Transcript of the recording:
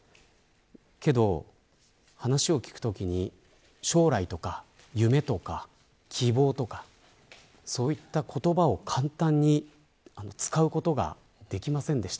けど話を聞くときに将来とか夢とか希望とかそういった言葉を簡単に使うことができませんでした。